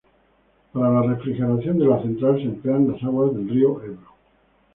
Para la refrigeración de la central se emplean las aguas del río Ebro.